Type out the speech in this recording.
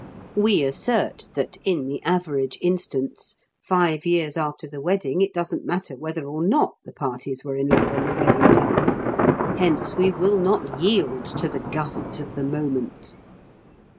We assert that, in the average instance, five years after the wedding it doesn't matter whether or not the parties were in love on the wedding day. Hence we will not yield to the gusts of the moment.